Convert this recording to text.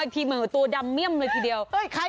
ทีเหมือนตัวดำเมี่ยมเลยทีเดียว